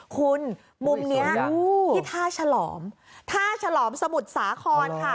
คุณมุมนี้ที่ท่าฉลอมท่าฉลอมสมุทรสาครค่ะ